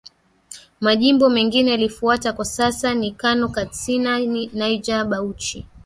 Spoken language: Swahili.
majimbo mengine yalifuata Kwa sasa ni Kano Katsina Niger Bauchi